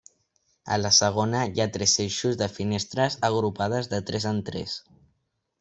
A la segona hi ha tres eixos de finestres agrupades de tres en tres.